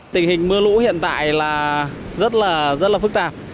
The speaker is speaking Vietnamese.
tình hình mưa lũ hiện tại là rất là phức tạp